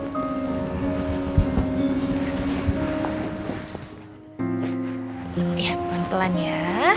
lihat pelan pelan ya